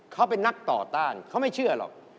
เขาเป็นนักต่อต้านเขาไม่เชื่อหรอก